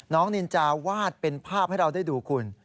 นินจาวาดเป็นภาพให้เราได้ดูคุณ